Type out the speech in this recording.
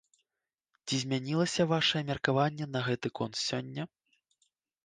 Ці змянілася вашае меркаванне на гэты конт сёння?